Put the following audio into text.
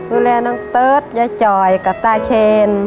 ดูแลน้องเติร์ทยายจ่อยกับตาเคน